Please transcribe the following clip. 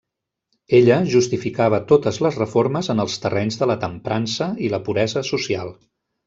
Ella justificava totes les reformes en els terrenys de la temprança i la puresa social.